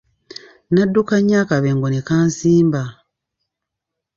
Nadduka nnyo akabengo ne kansimba.